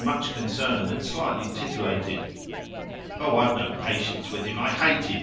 much concerned, and slightly titillated." "Oh, I've no patience with him. I hate him.